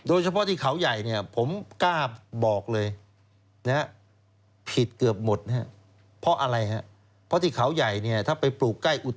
โดยเฉพาะที่เขาใหญ่ผมกล้าบอกเลยผิดเกือบหมดครับ